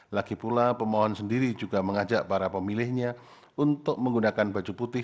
lagi pula pemohon sendiri juga mengajak para pemilihnya untuk menggunakan baju putih